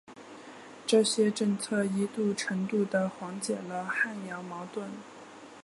这些政策一定程度的缓解了汉瑶矛盾。